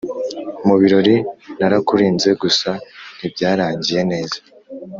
Mubirori narakurinze gusa ntibyarangiye neza